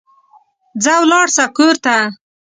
ځه ولاړ سه کور ته